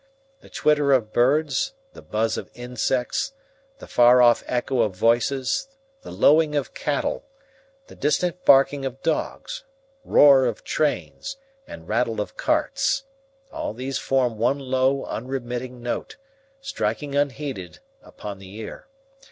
The twitter of birds, the buzz of insects, the far off echo of voices, the lowing of cattle, the distant barking of dogs, roar of trains, and rattle of carts all these form one low, unremitting note, striking unheeded upon the ear.